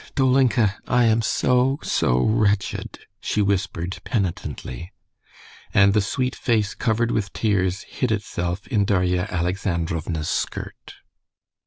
"Dolinka, I am so, so wretched!" she whispered penitently. And the sweet face covered with tears hid itself in Darya Alexandrovna's skirt.